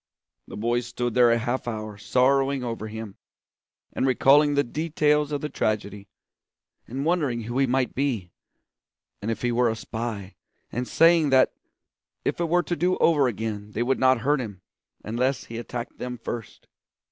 The boys stood there a half hour sorrowing over him, and recalling the details of the tragedy, and wondering who he might be, and if he were a spy, and saying that if it were to do over again they would not hurt him unless he attacked them first.